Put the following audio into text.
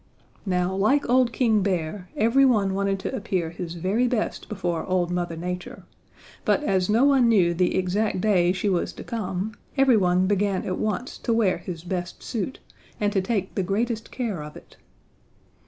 "Now like old King Bear, every one wanted to appear his very best before old Mother Nature, but as no one knew the exact day she was to come, every one began at once to wear his best suit, and to take the greatest care of it.